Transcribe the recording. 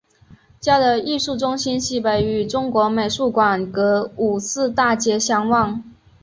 嘉德艺术中心西北与中国美术馆隔五四大街相望。